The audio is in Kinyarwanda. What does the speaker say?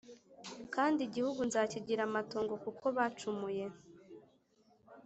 Kandi igihugu nzakigira amatongo kuko bacumuye